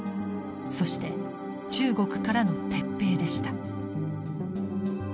そして中国からの撤兵でした。